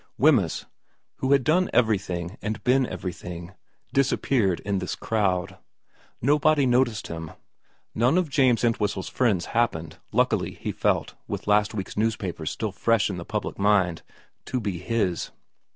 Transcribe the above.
Wemyss, who had done everything and been everything, disappeared in this crowd. Nobody noticed him. None of James Entwhistle's friends happened luckily, he felt, with last week's newspapers still fresh in the public mind to be his.